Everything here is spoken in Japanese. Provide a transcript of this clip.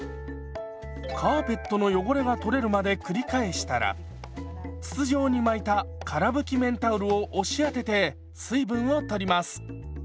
カーペットの汚れが取れるまで繰り返したら筒状に巻いたから拭き綿タオルを押し当てて水分を取ります。